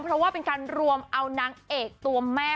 เพราะว่าเป็นการรวมเอานางเอกตัวแม่